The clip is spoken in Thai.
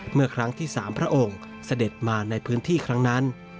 เมื่อครั้งที่๓พระองค์เสด็จมาในพื้นที่ครั้งนั้น